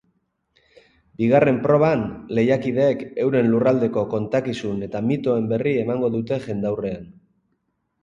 Bigarren proban, lehiakideek euren lurraldeko kontakizun eta mitoen berri emango dute jendaurrean.